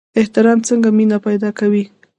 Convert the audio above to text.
احترام څنګه مینه پیدا کوي؟